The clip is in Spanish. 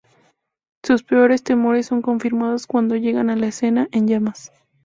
Sus peores temores son confirmados cuando llegan a la escena, en llamas.